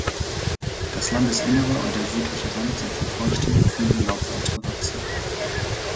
Das Landesinnere und der südliche Rand sind von feuchtem, kühlem Laubwald bewachsen.